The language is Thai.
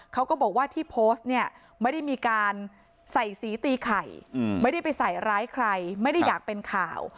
เขาก็บอกว่าที่โพสต์เนี่ยไม่ได้มีการใส่สีตีไข่ไม่ได้ไปใส่ร้ายใครไม่ได้อยากเป็นข่าว